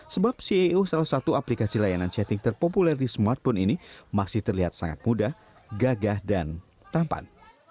sebab ceo salah satu aplikasi layanan chatting terpopuler di smartphone ini masih terlihat sangat mudah gagah dan tampan